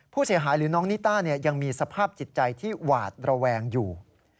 ผู้เสียหายหรือน้องนิต้ายังมีสภาพจิตใจที่หวาดระแวงอยู่